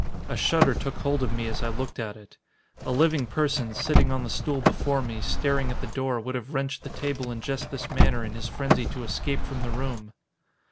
A shudder took hold of me as I looked at it. A living person, sitting on the stool before me, staring at the door, would have wrenched the table in just this manner in his frenzy to escape from the room!